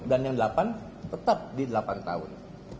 dan yang delapan tetap di delapan tahun